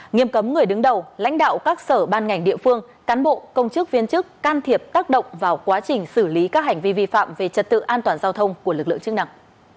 nghiêm cấm người đứng đầu lãnh đạo các sở ban ngành địa phương cán bộ công chức viên chức can thiệp tác động vào quá trình xử lý các hành vi vi phạm về trật tự an toàn giao thông của lực lượng chức năng